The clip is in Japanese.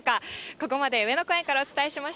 ここまで上野公園からお伝えしました。